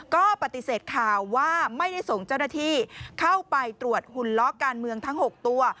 ก็ปฏิเสธข่าวว่าไม่ได้ส่งเจ้าหน้าที่เข้าไปตรวจหุ่นล้อการเมืองทั้ง๖ตัว